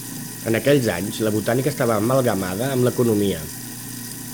En aquells anys la botànica estava amalgamada amb l'economia.